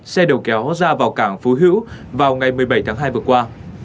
xe đầu kéo ra vào cảng phú hữu vào ngày một mươi bảy tháng hai vừa qua